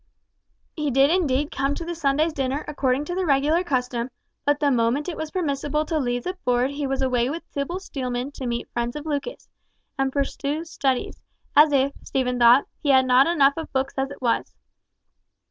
He did indeed come to the Sunday's dinner according to the regular custom, but the moment it was permissible to leave the board he was away with Tibble Steelman to meet friends of Lucas, and pursue studies, as if, Stephen thought, he had not enough of books as it was.